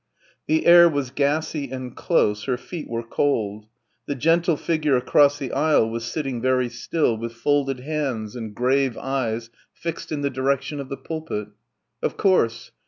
The air was gassy and close, her feet were cold. The gentle figure across the aisle was sitting very still, with folded hands and grave eyes fixed in the direction of the pulpit. Of course.